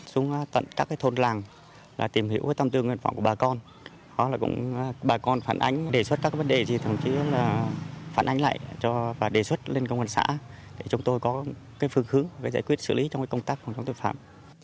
xuống tận các thôn làng tìm hiểu tâm tư nguyện vọng của bà con đó là cũng bà con phản ánh đề xuất các vấn đề gì thậm chí là phản ánh lại và đề xuất lên công an xã để chúng tôi có phương hướng giải quyết xử lý trong công tác phòng chống tội phạm